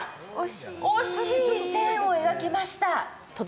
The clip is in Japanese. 惜しい線を描きました。